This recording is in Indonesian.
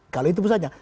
kalau itu putusannya